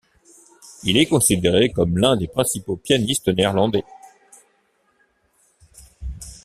Il est considéré comme l'un des principaux pianistes néerlandais.